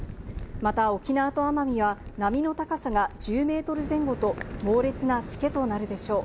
また沖縄と奄美は波の高さが１０メートル前後と猛烈なしけとなるでしょう。